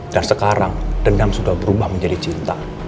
dan sekarang dendam sudah berubah menjadi cinta